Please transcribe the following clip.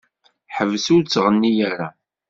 Ḥbes ur ttɣenni ara.